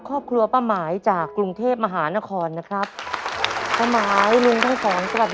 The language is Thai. ครอบครัวป้าหมายจากกรุงเทพมหานครนะครับ